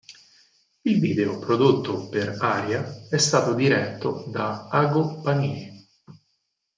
Il video prodotto per "Aria" è stato diretto da Ago Panini.